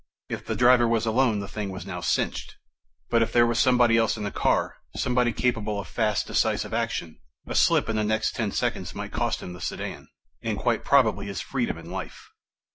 If the driver was alone, the thing was now cinched! But if there was somebody else in the car, somebody capable of fast, decisive action, a slip in the next ten seconds might cost him the sedan, and quite probably his freedom and life.